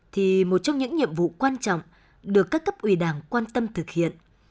thì một trong những nhiệm vụ quan trọng được các cấp ủy đảng quan tâm thực hiện